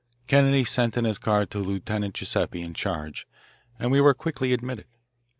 Kennedy sent in his card to Lieutenant Giuseppe in charge, and we were quickly admitted.